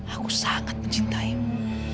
aku sangat mencintaimu